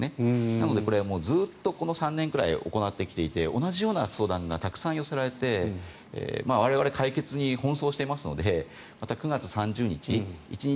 なのでずっとこの３年ぐらい行ってきて同じような相談がたくさん寄せられて我々は解決に奔走していますので９月３０日一日